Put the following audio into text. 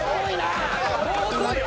もう遅いよ。